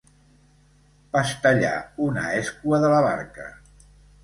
Pastellar una escua de la barca.